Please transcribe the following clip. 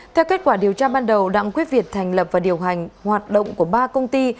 theo kết quả điều tra ban đầu đặng quốc việt thành lập và điều hành hoạt động của ba công ty